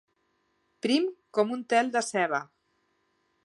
Prim com un tel de ceba.